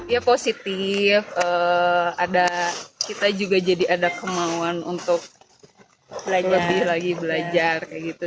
ya positif kita juga jadi ada kemauan untuk lebih lagi belajar